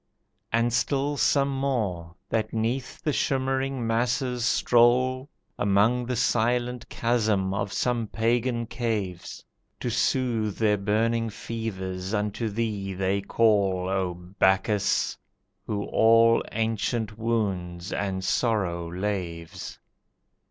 And still some more, that 'neath the shimmering masses stroll, Among the silent chasm of some pagan caves, To soothe their burning fevers unto thee they call O Bacchus! who all ancient wounds and sorrow laves.